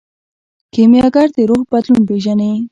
کیمیاګر د روح بدلون پیژني.